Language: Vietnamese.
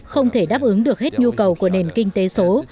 không thể đáp ứng được hết nhu cầu của nền kinh tế số